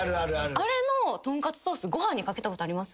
あれのとんかつソースご飯にかけたことあります？